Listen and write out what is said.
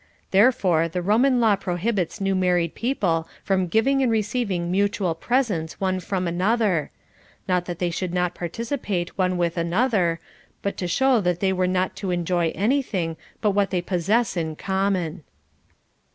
Therefore the Roman law prohibits new married people from giving and receiving mutual presents one from another ; not that they should not participate one with another, but to show that they were not to enjoy any thing but what they possess in common.